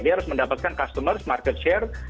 dia harus mendapatkan customer market share